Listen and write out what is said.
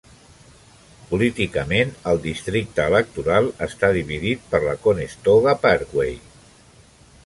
Políticament, el districte electoral està dividit per la Conestoga Parkway.